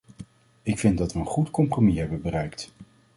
Ik vind dat we een goed compromis hebben bereikt.